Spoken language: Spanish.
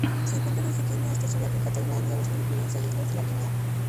Se encuentra desde Kenia hasta Sudáfrica, Tailandia, las Filipinas e Islas de la Línea.